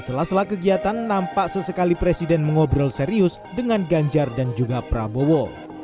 sela sela kegiatan nampak sesekali presiden mengobrol serius dengan ganjar dan juga prabowo